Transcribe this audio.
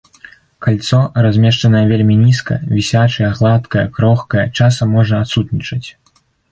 Кальцо, размешчанае вельмі нізка, вісячае, гладкае, крохкае, часам можа адсутнічаць.